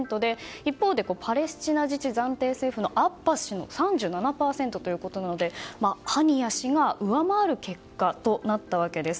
一方でパレスチナ暫定自治政府のアッバス議長は３７％とハニヤ氏が上回る結果となったわけです。